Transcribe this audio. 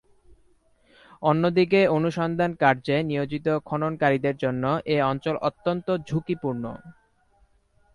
অন্যদিকে অনুসন্ধানকার্যে নিয়োজিত খননকারীদের জন্য এ অঞ্চল অত্যন্ত ঝুকিপূর্ণ।